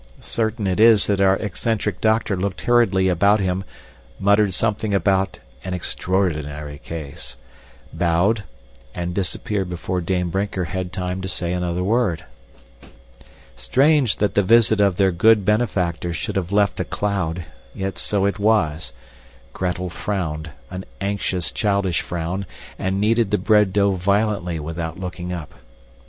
Certain it is that our eccentric doctor looked hurriedly about him, muttered something about "an extraordinary case," bowed, and disappeared before Dame Brinker had time to say another word. Strange that the visit of their good benefactor should have left a cloud, yet so it was. Gretel frowned, an anxious, childish frown, and kneaded the bread dough violently without looking up.